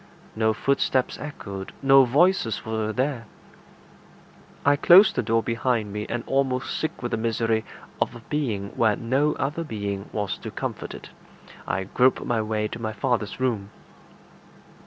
No footsteps echoed; no voices were there. I closed the door behind me, and, almost sick with the misery of a being where no other being was to comfort it, I groped my way to my father's room.